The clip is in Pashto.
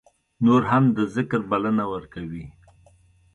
نور هم د ذکر بلنه ورکوي.